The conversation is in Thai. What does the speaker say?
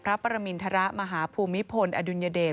พระประมินทรมาหาภูมิพลอดุลยเดช